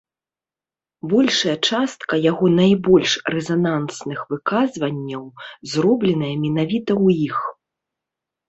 Большая частка яго найбольш рэзанансных выказванняў зробленая менавіта ў іх.